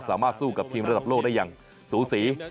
สามารถสู้กับทีมระดับโลกได้อย่างสูสี